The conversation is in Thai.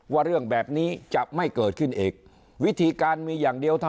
ว่าเรื่องแบบนี้จะไม่เกิดขึ้นอีกวิธีการมีอย่างเดียวถ้า